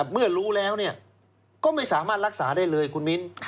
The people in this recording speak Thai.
เมื่อรู้แล้วก็ไม่สามารถรักษาได้เลยคุณมิ้น